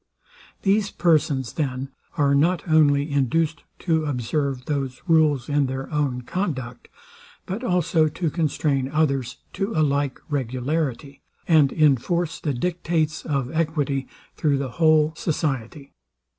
These persons, then, are not only induced to observe those rules in their own conduct, but also to constrain others to a like regularity, and inforce the dictates of equity through the whole society.